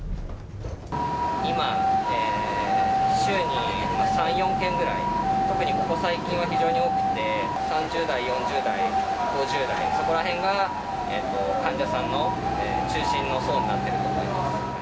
今、週に３、４件くらい、特にここ最近は非常に多くて、３０代、４０代、５０代、そこらへんが患者さんの中心の層になってると思いますね。